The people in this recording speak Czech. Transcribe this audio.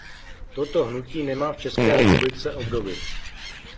Toto hnutí nemá v České republice obdoby.